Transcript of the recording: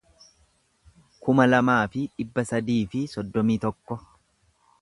kuma lamaa fi dhibba sadii fi soddomii tokko